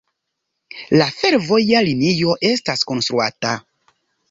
La fervoja linio estas konstruata.